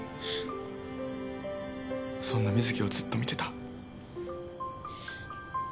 そんな瑞稀をずっと見てた。